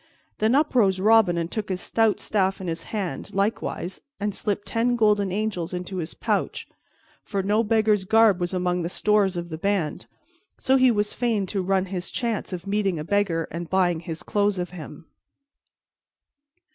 Then up rose Robin and took his stout staff in his hand, likewise, and slipped ten golden angels into his pouch; for no beggar's garb was among the stores of the band, so he was fain to run his chance of meeting a beggar and buying his clothes of him.